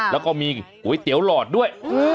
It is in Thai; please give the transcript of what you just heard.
แล้วก็มีก๋วยเตี๋ยวหลอดด้วย